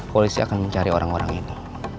polisi akan mencari orang orang ini